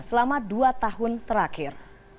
selama dua tahun terakhir